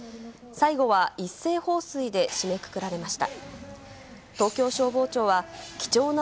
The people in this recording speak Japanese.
最後は、一斉放水で締めくくられました。